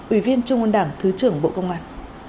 ủy viên trung ương đảng thứ trưởng bộ công an